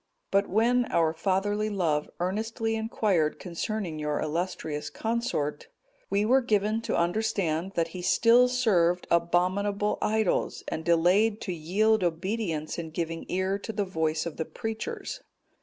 But when our fatherly love earnestly inquired concerning your illustrious consort, we were given to understand, that he still served abominable idols, and delayed to yield obedience in giving ear to the voice of the preachers.